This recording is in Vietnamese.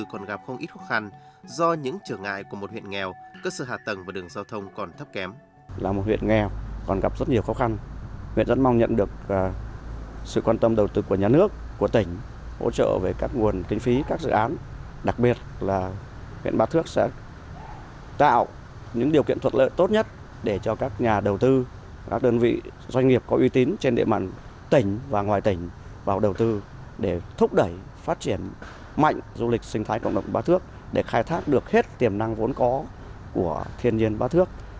còn gặp không ít khó khăn do những trở ngại của một huyện nghèo